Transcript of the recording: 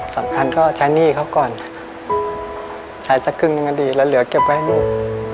สำคัญก็ใช้หนี้เขาก่อนใช้สักครึ่งหนึ่งก็ดีแล้วเหลือเก็บไว้ให้ลูก